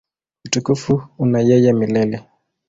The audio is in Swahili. Utukufu una yeye milele.